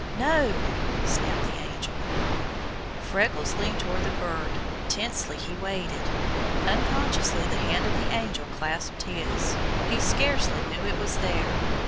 No!" snapped the Angel. Freckles leaned toward the bird. Tensely he waited. Unconsciously the hand of the Angel clasped his. He scarcely knew it was there.